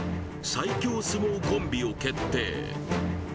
最強相撲コンビを決定